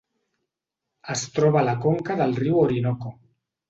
Es troba a la conca del riu Orinoco.